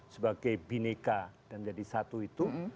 sebagai bineka dan jadi satu itu